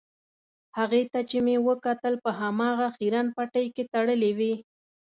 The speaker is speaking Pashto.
هغې ته چې مې وکتل په هماغه خیرن پټۍ کې تړلې وې.